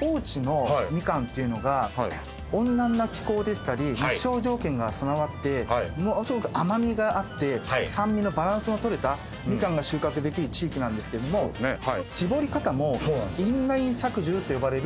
高知のミカンっていうのが温暖な気候でしたり日照条件が備わってものすごく甘味があって酸味のバランスの取れたミカンが収穫できる地域なんですけども搾り方も。と呼ばれる。